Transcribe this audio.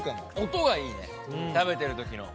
音がいいね食べてる時の。